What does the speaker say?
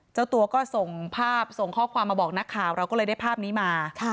เจ้าตัวก็ส่งภาพส่งข้อความมาบอกนักข่าวเราก็เลยได้ภาพนี้มา